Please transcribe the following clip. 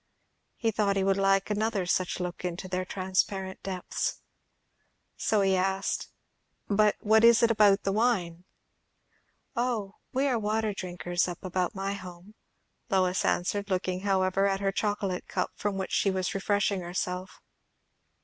He thought he would like another such look into their transparent depths. So he asked, "But what is it about the wine?" "O, we are water drinkers up about my home," Lois answered, looking, however, at her chocolate cup from which she was refreshing herself.